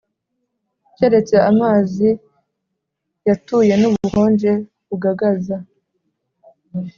keretse amazi yatuye n’ubukonje bugagaza.